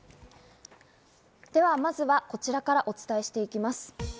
ではまずはこちらからお伝えしていきます。